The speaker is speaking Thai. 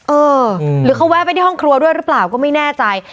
เออหรือเขาแวะไปที่ห้องครัวด้วยหรือเปล่าก็ไม่แน่ใจ